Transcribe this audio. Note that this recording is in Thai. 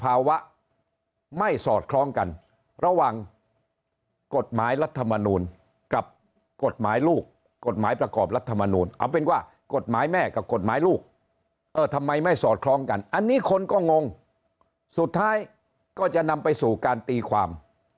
ภาวะไม่สอดคล้องกันระหว่างกฎหมายรัฐมนูลกับกฎหมายลูกกฎหมายประกอบรัฐมนูลเอาเป็นว่ากฎหมายแม่กับกฎหมายลูกเออทำไมไม่สอดคล้องกันอันนี้คนก็งงสุดท้ายก็จะนำไปสู่การตีความ